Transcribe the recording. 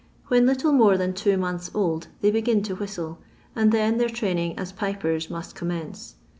When little more than two months eld, they begin to whistle, and then their training as pipers must commence.